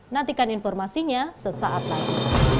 nantikan informasinya sesaat lagi